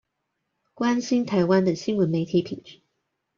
關心台灣的新聞媒體品質